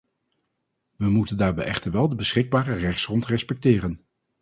We moeten daarbij echter wel de beschikbare rechtsgrond respecteren.